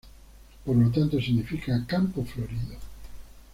Por lo tanto, significa "Campo Florido".